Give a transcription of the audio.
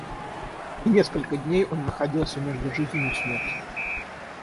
И несколько дней он находился между жизнью и смертью.